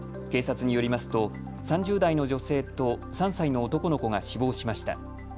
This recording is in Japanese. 警察によりますと３０代の女性と３歳の男の子が死亡しました。